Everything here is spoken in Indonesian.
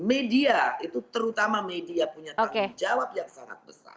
media itu terutama media punya tanggung jawab yang sangat besar